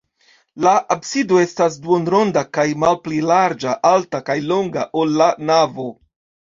La absido estas duonronda kaj malpli larĝa, alta kaj longa, ol la navo.